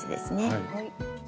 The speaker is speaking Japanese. はい。